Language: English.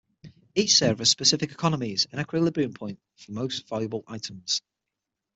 Each server has specific economies and equilibrium point for most valuable items.